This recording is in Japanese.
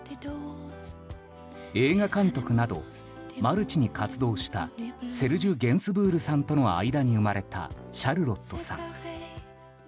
映画監督などマルチに活動したセルジュ・ゲンスブールさんとの間に生まれたシャルロットさん。